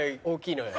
大きい。